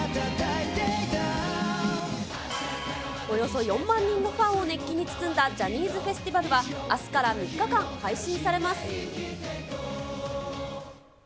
およそ４万人のファンを熱気に包んだジャニーズフェスティバルは、あすから３日間、配信されます。